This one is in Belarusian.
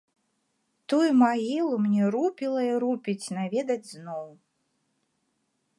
Тую магілу мне рупіла і рупіць наведаць зноў.